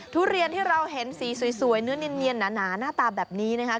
ทุเรียนที่เราเห็นสีสวยเนื้อเนียนหนาหน้าตาแบบนี้นะครับ